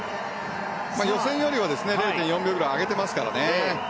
予選よりは０．４秒ぐらい上げてますからね。